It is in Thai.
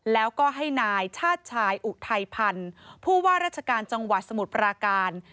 แล้วก็ให้นายชาติชายอุทัยพันธ์ผู้ว่าราชการจังหวัดสมุทรปราการ